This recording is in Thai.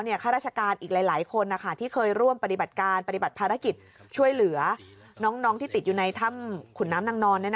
ข้าราชการอีกหลายคนที่เคยร่วมปฏิบัติการปฏิบัติภารกิจช่วยเหลือน้องที่ติดอยู่ในถ้ำขุนน้ำนางนอน